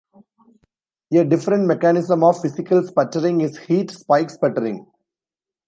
A different mechanism of physical sputtering is heat spike sputtering.